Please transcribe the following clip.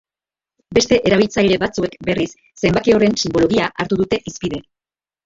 Beste erabiltzaile batzuek, berriz, zenbaki horren sinbologia hartu dute hizpide.